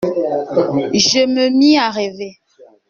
Je me mis à rêver.